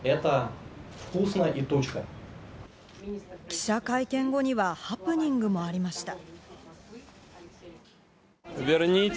記者会見後にはハプニングもありました。